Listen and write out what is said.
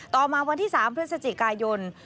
ต่อมาวันที่๓พฤศจิกายน